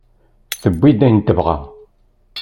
Tewwi-d ayen tebɣa.